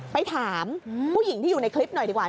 ไปถามผู้หญิงที่อยู่ในคลิปหน่อยดีกว่า